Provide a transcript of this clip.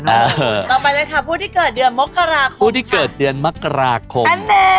ต่อไปเลยค่ะผู้ที่เกิดเดือนมกราคม